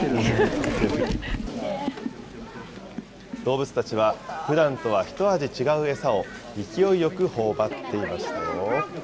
動物たちはふだんとは一味違う餌を勢いよくほおばっていましたよ。